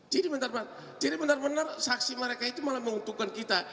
jadi benar benar saksi mereka itu malah menguntukkan kita